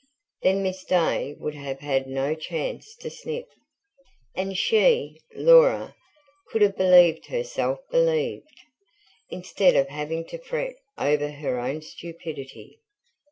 Then Miss Day would have had no chance to sniff, and she, Laura, could have believed herself believed, instead of having to fret over her own stupidity.